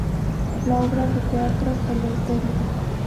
La obra de teatro "Eleuterio.